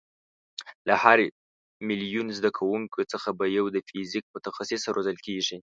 له هر میلیون زده کوونکیو څخه به یو د فیزیک متخصصه روزل کېږي.